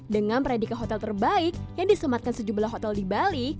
dengan predikat hotel terbaik yang disematkan sejumlah hotel di bali